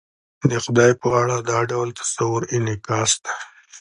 د خدای په اړه دا ډول تصور انعکاس دی.